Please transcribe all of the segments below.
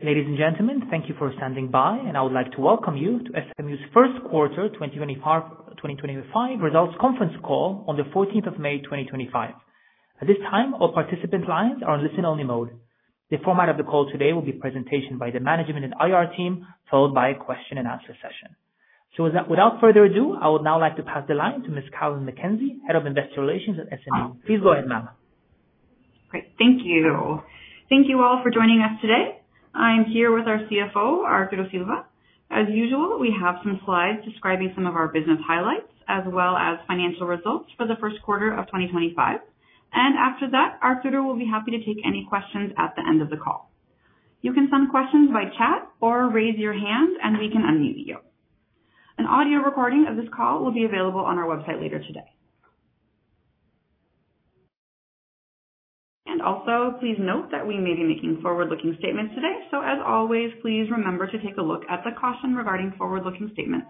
Ladies and gentlemen, thank you for standing by, and I would like to welcome you to SMU's first quarter 2025 results conference call on the 14th of May 2025. At this time, all participant lines are on listen-only mode. The format of the call today will be presentation by the management and IR team, followed by a question-and-answer session. Without further ado, I would now like to pass the line to Ms. Carolyn McKenzie, Head of Investor Relations at SMU. Please go ahead, ma'am. Great. Thank you. Thank you all for joining us today. I'm here with our CFO, Arturo Silva. As usual, we have some slides describing some of our business highlights as well as financial results for the first quarter of 2025. After that, Arturo will be happy to take any questions at the end of the call. You can send questions by chat or raise your hand, and we can unmute you. An audio recording of this call will be available on our website later today. Also, please note that we may be making forward-looking statements today. As always, please remember to take a look at the caution regarding forward-looking statements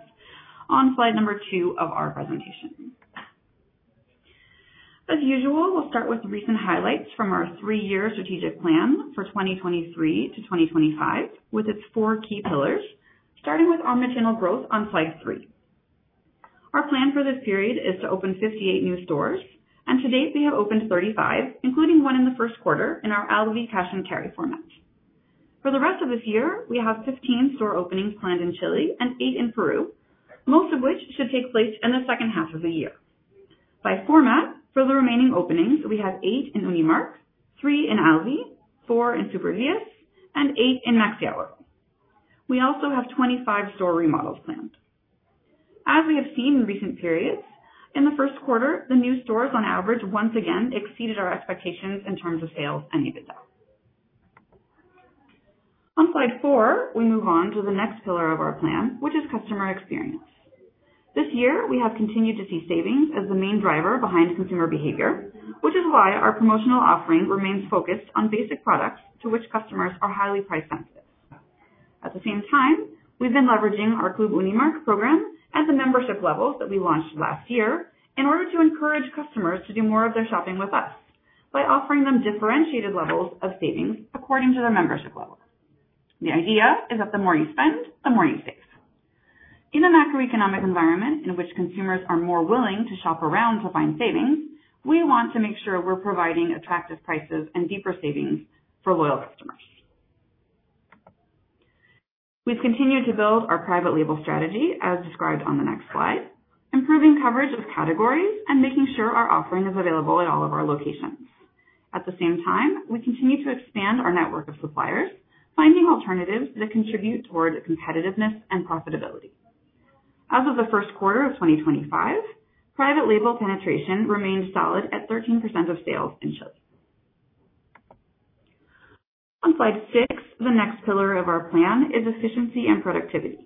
on slide number two of our presentation. As usual, we'll start with recent highlights from our three-year strategic plan for 2023 to 2025, with its four key pillars, starting with omnichannel growth on slide three. Our plan for this period is to open 58 new stores, and to date, we have opened 35, including one in the first quarter in our Alvi cash and carry format. For the rest of this year, we have 15 store openings planned in Chile and eight in Peru, most of which should take place in the second half of the year. By format, for the remaining openings, we have eight in Unimarc, three in Alvi, four in Super10, and eight in Maxiahorro. We also have 25 store remodels planned. As we have seen in recent periods, in the first quarter, the new stores on average once again exceeded our expectations in terms of sales and EBITDA. On slide four, we move on to the next pillar of our plan, which is customer experience. This year, we have continued to see savings as the main driver behind consumer behavior, which is why our promotional offering remains focused on basic products to which customers are highly price sensitive. At the same time, we've been leveraging our Club Unimarc program at the membership levels that we launched last year in order to encourage customers to do more of their shopping with us by offering them differentiated levels of savings according to their membership level. The idea is that the more you spend, the more you save. In a macroeconomic environment in which consumers are more willing to shop around to find savings, we want to make sure we're providing attractive prices and deeper savings for loyal customers. We've continued to build our private label strategy as described on the next slide, improving coverage of categories and making sure our offering is available at all of our locations. At the same time, we continue to expand our network of suppliers, finding alternatives that contribute toward competitiveness and profitability. As of the first quarter of 2025, private label penetration remains solid at 13% of sales in Chile. On slide six, the next pillar of our plan is efficiency and productivity,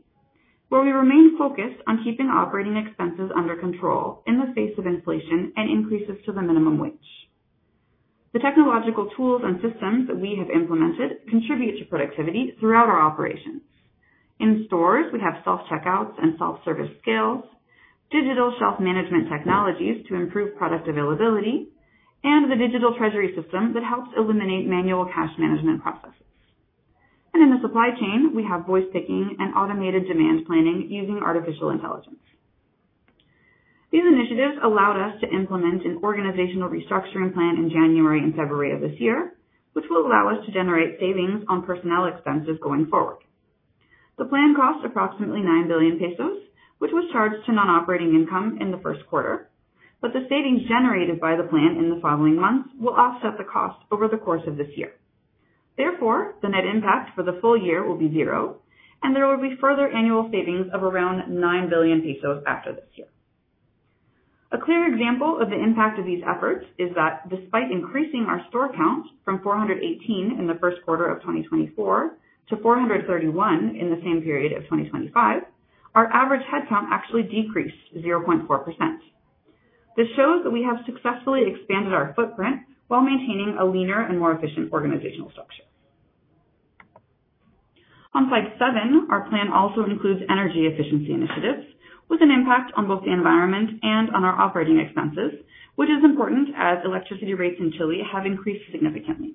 where we remain focused on keeping operating expenses under control in the face of inflation and increases to the minimum wage. The technological tools and systems that we have implemented contribute to productivity throughout our operations. In stores, we have self-checkouts and self-service scales, digital shelf management technologies to improve product availability, and the digital treasury system that helps eliminate manual cash management processes. In the supply chain, we have voice picking and automated demand planning using artificial intelligence. These initiatives allowed us to implement an organizational restructuring plan in January and February of this year, which will allow us to generate savings on personnel expenses going forward. The plan cost approximately 9 billion pesos, which was charged to non-operating income in the first quarter, but the savings generated by the plan in the following months will offset the cost over the course of this year. Therefore, the net impact for the full year will be zero, and there will be further annual savings of around 9 billion pesos after this year. A clear example of the impact of these efforts is that despite increasing our store count from 418 in the first quarter of 2024 to 431 in the same period of 2025, our average headcount actually decreased 0.4%. This shows that we have successfully expanded our footprint while maintaining a leaner and more efficient organizational structure. On slide seven, our plan also includes energy efficiency initiatives with an impact on both the environment and on our operating expenses, which is important as electricity rates in Chile have increased significantly.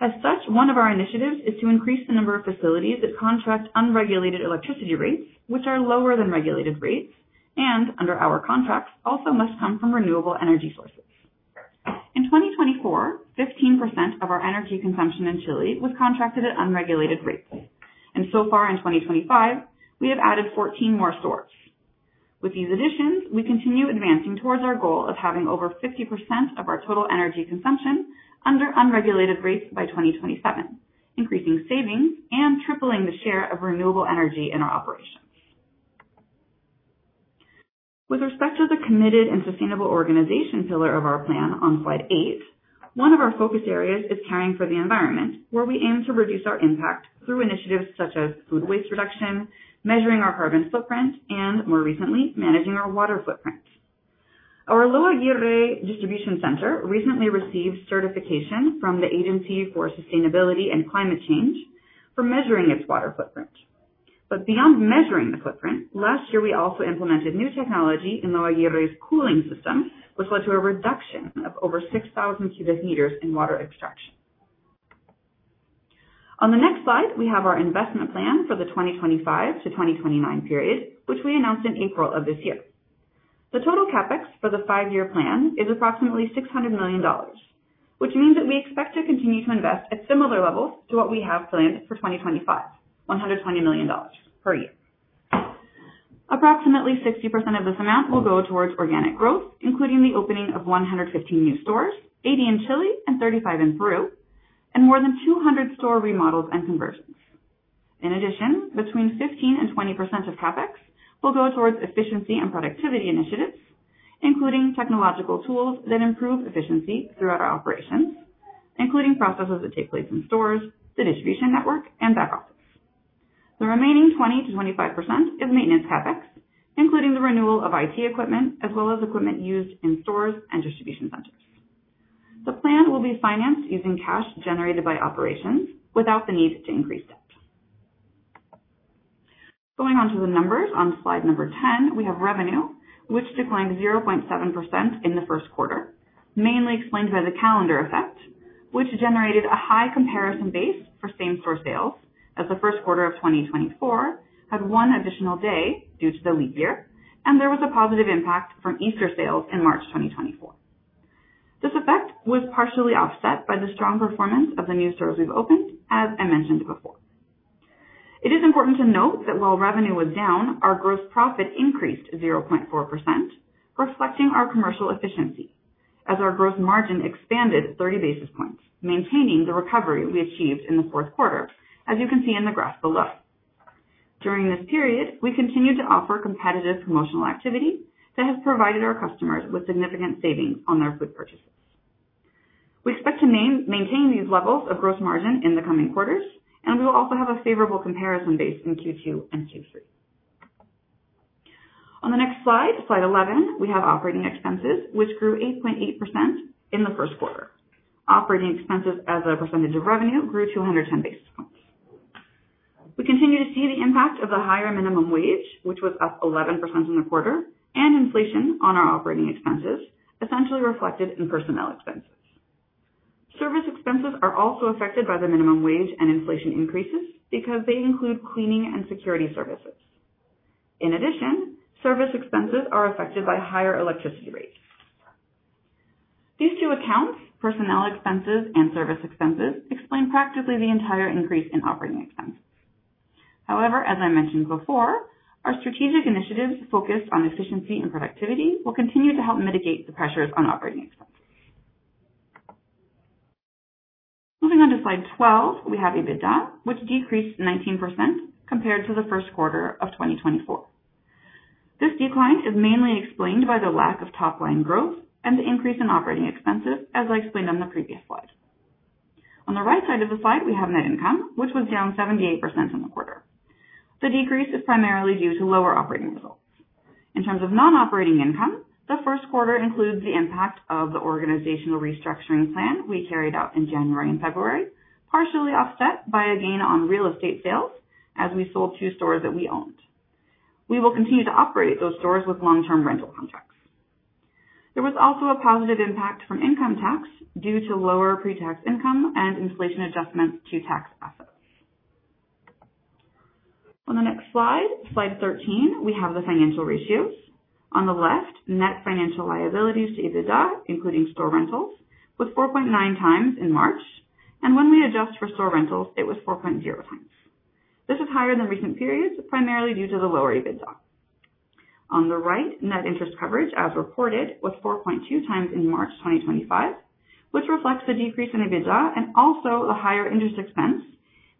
As such, one of our initiatives is to increase the number of facilities that contract unregulated electricity rates, which are lower than regulated rates, and under our contracts, also must come from renewable energy sources. In 2024, 15% of our energy consumption in Chile was contracted at unregulated rates, and so far in 2025, we have added 14 more stores. With these additions, we continue advancing towards our goal of having over 50% of our total energy consumption under unregulated rates by 2027, increasing savings and tripling the share of renewable energy in our operations. With respect to the committed and sustainable organization pillar of our plan on slide eight, one of our focus areas is caring for the environment, where we aim to reduce our impact through initiatives such as food waste reduction, measuring our carbon footprint, and more recently, managing our water footprint. Our Lo Aguirre distribution center recently received certification from the Agency for Sustainability and Climate Change for measuring its water footprint. Beyond measuring the footprint, last year, we also implemented new technology in Lo Aguirre's cooling system, which led to a reduction of over 6,000 cubic meters in water extraction. On the next slide, we have our investment plan for the 2025-2029 period, which we announced in April of this year. The total CapEx for the five-year plan is approximately $600 million, which means that we expect to continue to invest at similar levels to what we have planned for 2025, $120 million per year. Approximately 60% of this amount will go towards organic growth, including the opening of 115 new stores, 80 in Chile and 35 in Peru, and more than 200 store remodels and conversions. In addition, between 15% and 20% of CapEx will go towards efficiency and productivity initiatives, including technological tools that improve efficiency throughout our operations, including processes that take place in stores, the distribution network and back office. The remaining 20%-25% is maintenance CapEx, including the renewal of IT equipment as well as equipment used in stores and distribution centers. The plan will be financed using cash generated by operations without the need to increase debt. Going on to the numbers on slide number 10, we have revenue, which declined 0.7% in the first quarter, mainly explained by the calendar effect, which generated a high comparison base for same-store sales as the first quarter of 2024 had one additional day due to the leap year, and there was a positive impact from Easter sales in March 2024. This effect was partially offset by the strong performance of the new stores we've opened, as I mentioned before. It is important to note that while revenue was down, our gross profit increased 0.4%, reflecting our commercial efficiency as our growth margin expanded 30 basis points, maintaining the recovery we achieved in the fourth quarter, as you can see in the graph below. During this period, we continued to offer competitive promotional activity that has provided our customers with significant savings on their food purchases. We expect to maintain these levels of gross margin in the coming quarters, and we will also have a favorable comparison base in Q2 and Q3. On the next slide 11, we have operating expenses, which grew 8.8% in the first quarter. Operating expenses as a percentage of revenue grew 210 basis points. We continue to see the impact of the higher minimum wage, which was up 11% in the quarter, and inflation on our operating expenses, essentially reflected in personnel expenses. Service expenses are also affected by the minimum wage and inflation increases because they include cleaning and security services. In addition, service expenses are affected by higher electricity rates. These two accounts, personnel expenses and service expenses, explain practically the entire increase in operating expenses. However, as I mentioned before, our strategic initiatives focused on efficiency and productivity will continue to help mitigate the pressures on operating expenses. Moving on to slide 12, we have EBITDA, which decreased 19% compared to the first quarter of 2024. This decline is mainly explained by the lack of top line growth and the increase in operating expenses, as I explained on the previous slide. On the right side of the slide, we have net income, which was down 78% in the quarter. The decrease is primarily due to lower operating results. In terms of non-operating income, the first quarter includes the impact of the organizational restructuring plan we carried out in January and February, partially offset by a gain on real estate sales as we sold two stores that we owned. We will continue to operate those stores with long-term rental contracts. There was also a positive impact from income tax due to lower pre-tax income and inflation adjustments to tax assets. On the next slide 13, we have the financial ratios. On the left, net financial liabilities to EBITDA, including store rentals, was 4.9 times in March, and when we adjust for store rentals, it was 4.0 times. This is higher than recent periods, primarily due to the lower EBITDA. On the right, net interest coverage, as reported, was 4.2 times in March 2025, which reflects the decrease in EBITDA and also the higher interest expense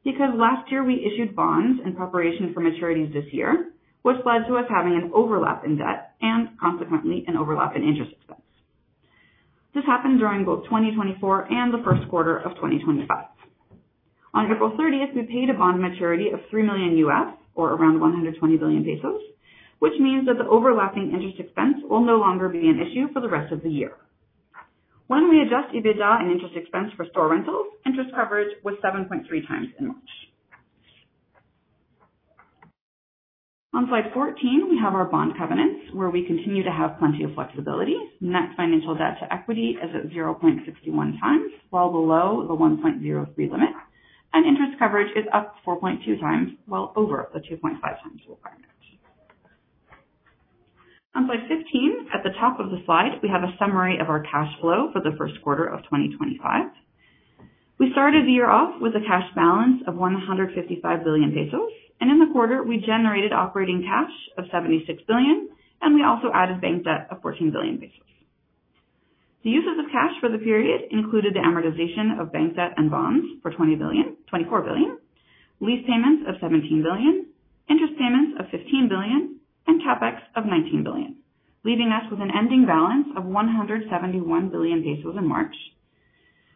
because last year we issued bonds in preparation for maturities this year, which led to us having an overlap in debt and consequently an overlap in interest expense. This happened during both 2024 and the first quarter of 2025. On April 30, we paid a bond maturity of $3 million, or around 120 billion pesos, which means that the overlapping interest expense will no longer be an issue for the rest of the year. When we adjust EBITDA and interest expense for store rentals, interest coverage was 7.3 times in March. On slide 14, we have our bond covenants where we continue to have plenty of flexibility. Net financial debt to equity is at 0.61 times, while below the 1.03 limit, and interest coverage is up 4.2 times, while over the 2.5 times requirement. On slide 15, at the top of the slide, we have a summary of our cash flow for the first quarter of 2025. We started the year off with a cash balance of 155 billion pesos, and in the quarter we generated operating cash of 76 billion, and we also added bank debt of 14 billion pesos. The uses of cash for the period included the amortization of bank debt and bonds for 24 billion, lease payments of 17 billion, interest payments of 15 billion, and CapEx of 19 billion, leaving us with an ending balance of 171 billion pesos in March.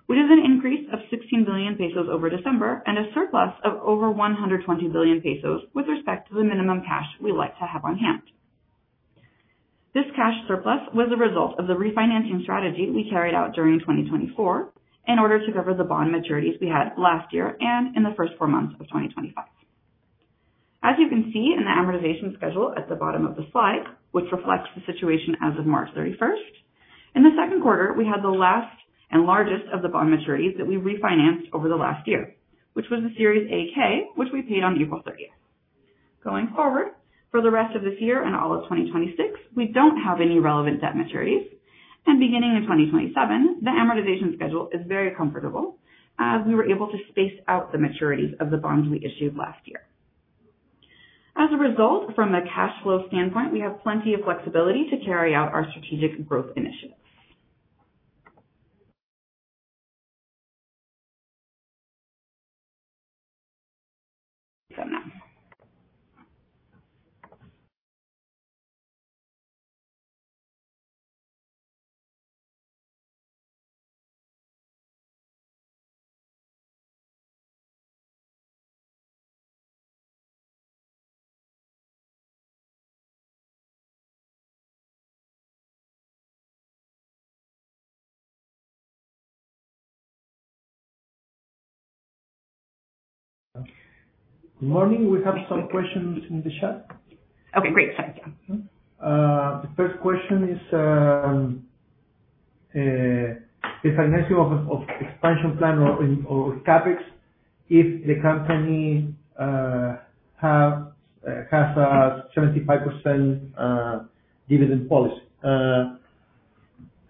Which is an increase of 16 billion pesos over December and a surplus of over 120 billion pesos with respect to the minimum cash we like to have on hand. This cash surplus was a result of the refinancing strategy we carried out during 2024 in order to cover the bond maturities we had last year and in the first four months of 2025. As you can see in the amortization schedule at the bottom of the slide, which reflects the situation as of March 31st, in the second quarter, we had the last and largest of the bond maturities that we refinanced over the last year, which was the Serie AK, which we paid on April 30th. Going forward, for the rest of this year and all of 2026, we don't have any relevant debt maturities. Beginning in 2027, the amortization schedule is very comfortable as we were able to space out the maturities of the bonds we issued last year. As a result, from a cash flow standpoint, we have plenty of flexibility to carry out our strategic growth initiatives. Good morning. We have some questions in the chat. Okay, great. Thanks. Yeah. The first question is the financing of expansion plan or CapEx, if the company has a 75% dividend policy.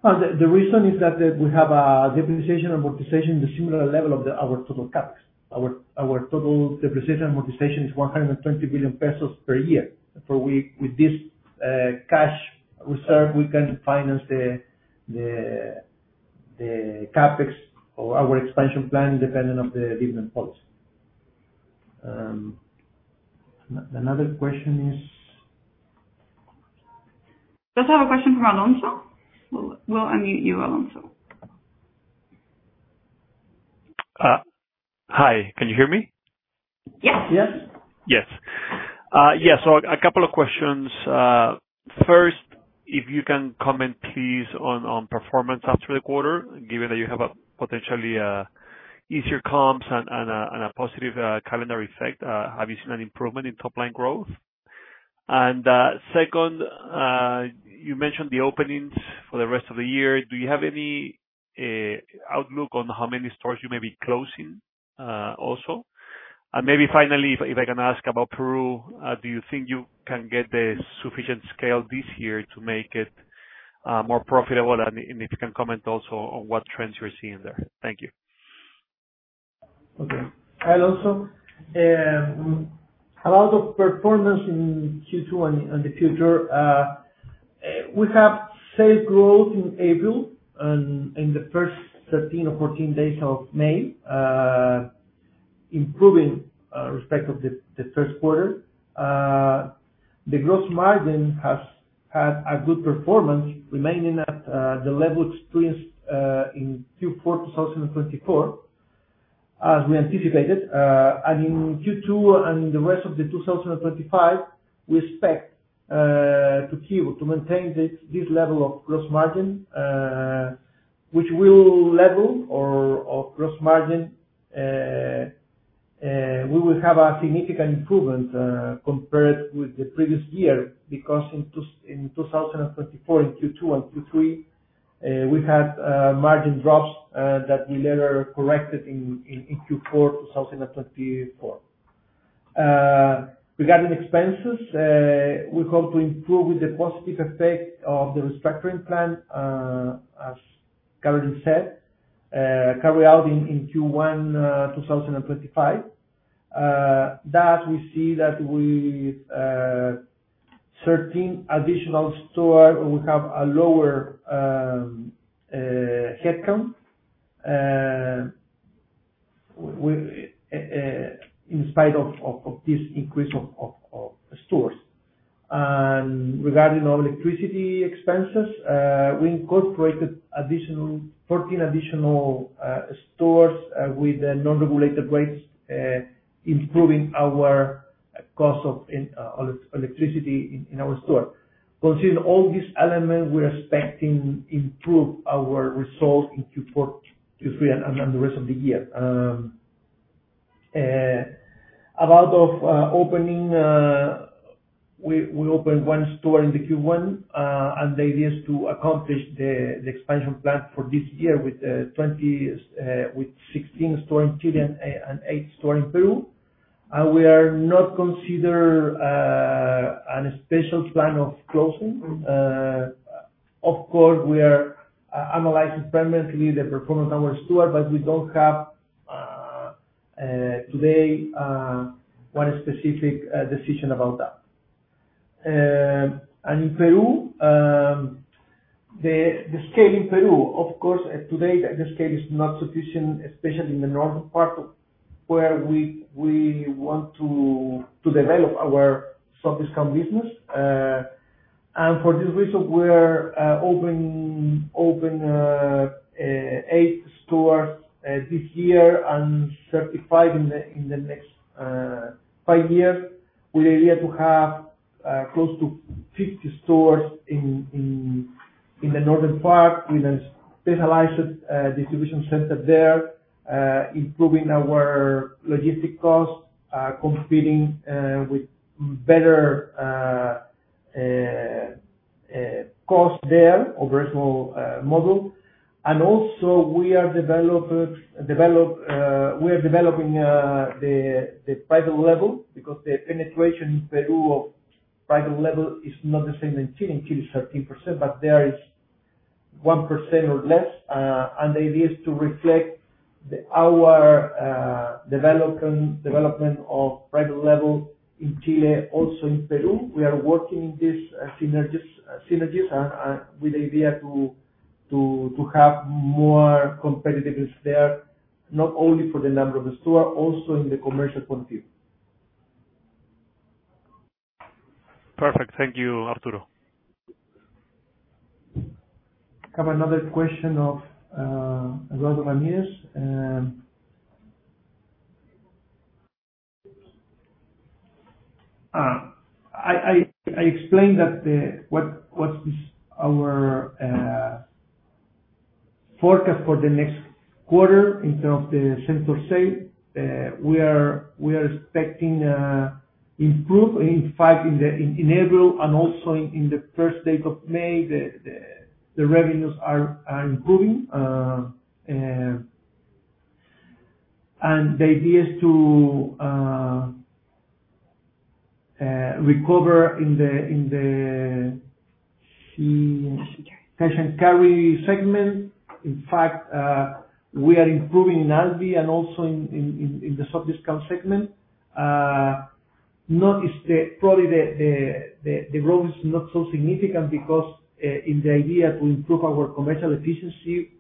The reason is that we have a depreciation amortization in the similar level of our total CapEx. Our total depreciation amortization is 120 billion pesos per year. With this cash reserve, we can finance the CapEx or our expansion plan independent of the dividend policy. Another question is- Do we have a question from Alonso? We'll unmute you, Alonso. Hi, can you hear me? Yes. Yes. Yes. Yes. So a couple of questions. First, if you can comment please on performance after the quarter, given that you have a potentially easier comps and a positive calendar effect, have you seen an improvement in top-line growth? Second, you mentioned the openings for the rest of the year. Do you have any outlook on how many stores you may be closing also? Maybe finally, if I can ask about Peru, do you think you can get the sufficient scale this year to make it more profitable? If you can comment also on what trends you're seeing there. Thank you. Okay. Hi, Alonso. About the performance in Q2 and the future, we have sales growth in April and in the first 13 or 14 days of May, improving with respect to the first quarter. The gross margin has had a good performance remaining at the level experienced in Q4 2024, as we anticipated. In Q2 and the rest of 2025, we expect to keep to maintain this level of gross margin, which will level our gross margin. We will have a significant improvement compared with the previous year because in 2024, in Q2 and Q3, we had margin drops that we later corrected in Q4 2024. Regarding expenses, we hope to improve with the positive effect of the restructuring plan, as Carolyn said, carried out in Q1 2025. That we see that with 13 additional stores, we have a lower headcount in spite of this increase of stores. Regarding our electricity expenses, we incorporated 14 additional stores with non-regulated rates, improving our cost of electricity in our store. Considering all these elements, we're expecting to improve our results in Q4, Q3, and the rest of the year. About opening, we opened one store in Q1. The idea is to accomplish the expansion plan for this year with 16 stores in Chile and 8 stores in Peru. We are not considering a special plan of closing. Of course, we are analyzing permanently the performance of our store, but we don't have today one specific decision about that. In Peru, the scale in Peru, of course, today, the scale is not sufficient, especially in the northern part where we want to develop our soft discount business. For this reason, we're opening eight stores this year and 35 in the next five years, with the idea to have close to 50 stores in the northern part with a specialized distribution center there, improving our logistic costs, competing with better cost there operational model. Also we are developing the private label because the penetration in Peru of private label is not the same in Chile. In Chile is 13%, but there is 1% or less. The idea is to reflect our development of private label in Chile, also in Peru. We are working in this synergies and with the idea to have more competitiveness there, not only for the number of the store, also in the commercial point of view. Perfect. Thank you, Arturo. I have another question for Eduardo Ramírez. What is our forecast for the next quarter in terms of same-store sales? We are expecting improvement, in fact, in April and also in the first days of May, the revenues are improving. The idea is to recover in the se- Cash and carry segment. In fact, we are improving in Alvi and also in the soft discount segment. Notice the growth is not so significant because, with the idea to improve our commercial efficiency,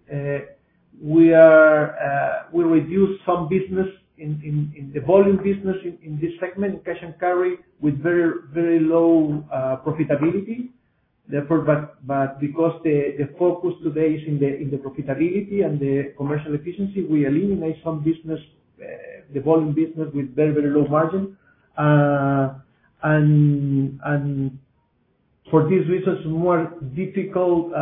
we reduce some business in the volume business in this segment, in cash and carry, with very low profitability. Because the focus today is on the profitability and the commercial efficiency, we eliminate some business, the volume business with very low margin. For this reason it is more difficult,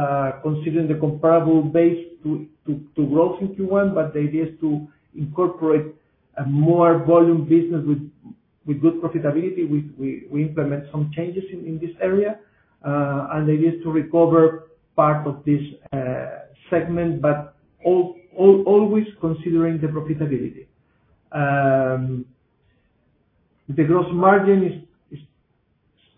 considering the comparable base to grow Q1. The idea is to incorporate more volume business with good profitability. We implement some changes in this area. The idea is to recover part of this segment, but always considering the profitability. The gross margin is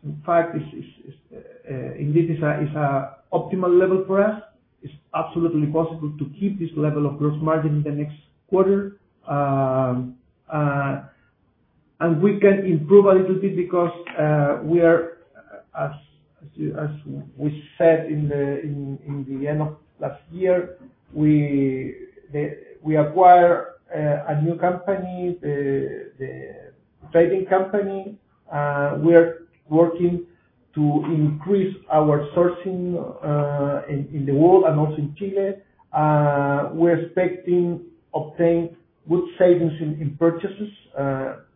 in fact at an optimal level for us. It's absolutely possible to keep this level of gross margin in the next quarter. We can improve a little bit because, as we said in the end of last year, we acquired a new company, the trading company. We are working to increase our sourcing in the world and also in Chile. We're expecting to obtain good savings in purchases,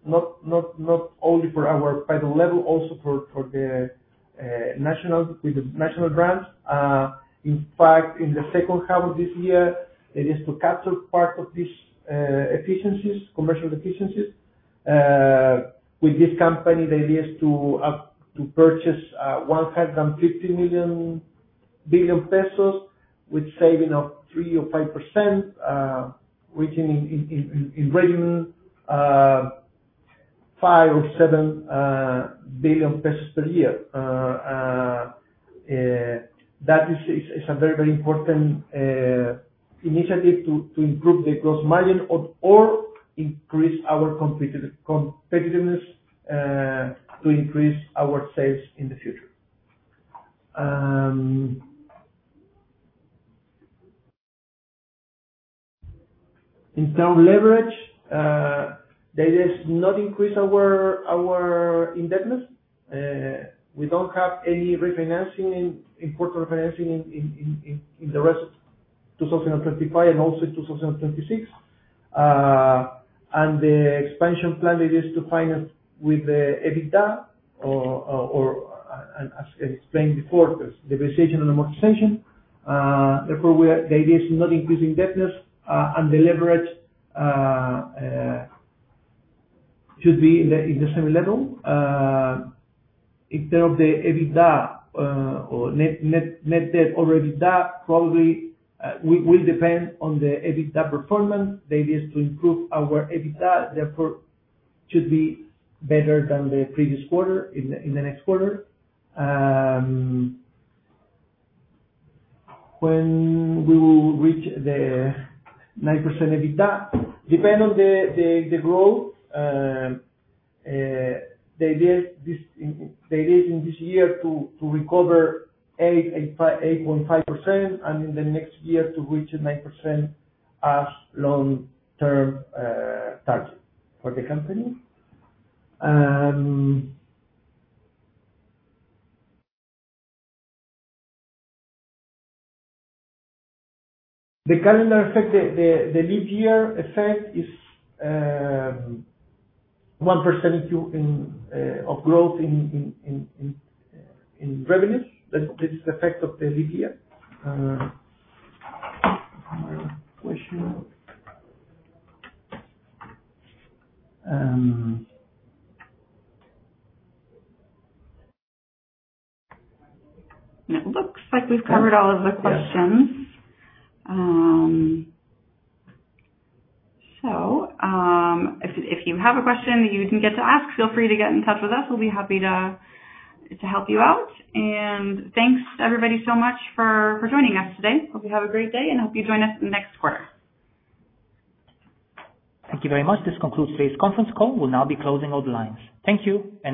not only for our private label, also for the national brands. In fact, in the second half of this year, the idea is to capture part of this efficiencies, commercial efficiencies. With this company, the idea is to purchase 150 billion pesos with savings of 3%-5%, which in revenue 5 billion-7 billion pesos per year. That is a very important initiative to improve the gross margin or increase our competitiveness to increase our sales in the future. In terms of leverage, the idea is not to increase our indebtedness. We don't have any refinancing, important refinancing in the rest of 2025 and also 2026. The expansion plan is to finance with the EBITDA or. As explained before, the depreciation and amortization. Therefore, the idea is not to increase indebtedness and the leverage should be in the same level. In terms of the EBITDA or net debt to EBITDA, probably will depend on the EBITDA performance. The idea is to improve our EBITDA, therefore it should be better than the previous quarter in the next quarter. When will we reach the 9% EBITDA? It depends on the growth. The idea is in this year to recover 8.5%, and in the next year to reach 9% as long-term target for the company. The calendar effect, the leap year effect, is 1% or 2% of growth in revenues. That is the effect of the leap year. Another question. It looks like we've covered all of the questions. Yes. If you have a question you didn't get to ask, feel free to get in touch with us. We'll be happy to help you out. Thanks everybody so much for joining us today. We hope you have a great day, and we hope you join us next quarter. Thank you very much. This concludes today's conference call. We'll now be closing all the lines. Thank you and bye.